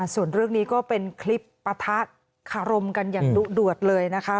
ส่วนเรื่องนี้ก็เป็นคลิปปะทะคารมกันอย่างดุเดือดเลยนะคะ